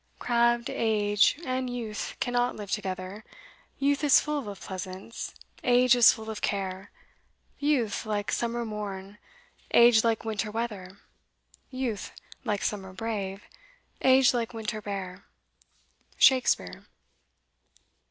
Crabbed age and youth Cannot live together: Youth is full of pleasance, Age is full of care; Youth like summer morn, Age like winter weather; Youth like summer brave, Age like winter bare. Shakspeare.